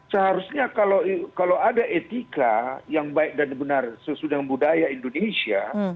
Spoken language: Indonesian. seharusnya kalau ada etika yang baik dan benar sesudah budaya indonesia